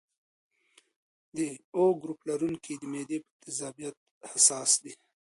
O ګروپ لرونکي د معدې په تیزابیت حساس دي.